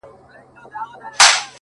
ستا جدايۍ ته به شعرونه ليکم؛